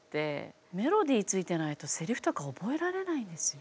メロディーついてないとセリフとか覚えられないんですよ。